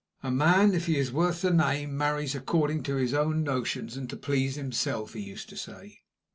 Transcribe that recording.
"A man, if he is worth the name, marries according to his own notions, and to please himself," he used to say.